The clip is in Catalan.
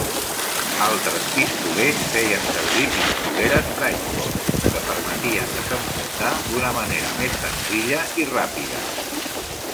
Altres pistolers feien servir pistoleres Bridgeport, que permetien desenfundar d'una manera més senzilla i ràpida.